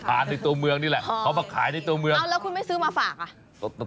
ในตัวเมืองนี่แหละเขามาขายในตัวเมืองเอาแล้วคุณไม่ซื้อมาฝากอ่ะ